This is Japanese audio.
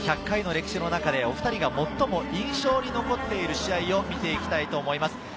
１００回の歴史の中でお２人が最も印象に残っている試合を見ていきたいと思います。